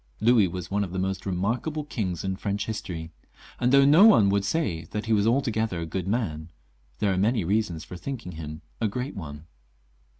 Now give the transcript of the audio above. Louis was one of the most remarkable kings in French history ; and though no one would say that he was altogether a good man, there are many reasons for thinking him a great one.